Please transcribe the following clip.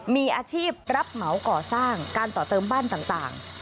มีอาชีพรับเหมาก่อสร้างการต่อเติมบ้านต่าง